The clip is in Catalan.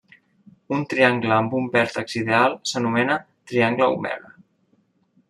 Un triangle amb un vèrtex ideal s'anomena Triangle omega.